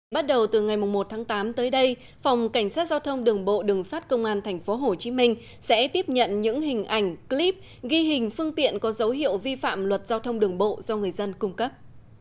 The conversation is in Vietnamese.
bắt đầu từ ngày một tháng tám tới đây phòng cảnh sát giao thông đường bộ đường sát công an tp hcm sẽ tiếp nhận những hình ảnh clip ghi hình phương tiện có dấu hiệu vi phạm luật giao thông đường bộ do người dân cung cấp